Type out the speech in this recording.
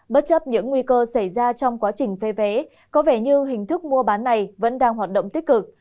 bất chấp những nguy cơ xảy ra trong quá trình phê vé có vẻ như hình thức mua bán này vẫn đang hoạt động tích cực